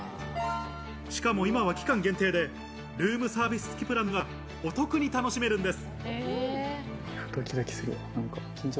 しかも今は期間限定でルームサービス付きプランがお得に楽しめるんです。